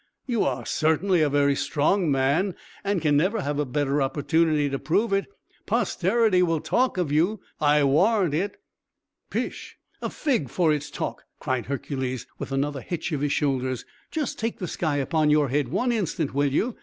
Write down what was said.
You are certainly a very strong man, and can never have a better opportunity to prove it. Posterity will talk of you, I warrant it!" "Pish! a fig for its talk!" cried Hercules, with another hitch of his shoulders. "Just take the sky upon your head one instant, will you?